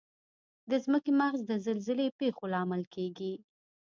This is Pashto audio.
د ځمکې مغز د زلزلې پېښو لامل کیږي.